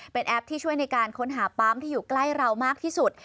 เป็นแอปที่ช่วยในการค้นหาปั๊มที่อยู่ใกล้เรามากที่สุด